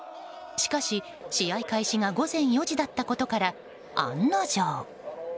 しかし、試合開始が午前４時だったことから案の定。